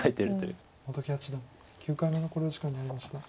本木八段９回目の考慮時間に入りました。